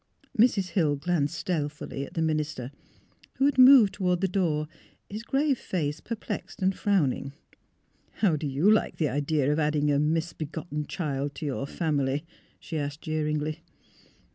Mrs. Hill glanced stealthily at the minister, who had moved toward the door, his grave face per plexed and frowning. " How do you like the idea of adding a misbe gotten child to your family? " she asked, jeer ingly.